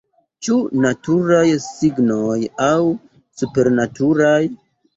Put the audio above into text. Ĉu naturaj signoj aŭ supernaturaj?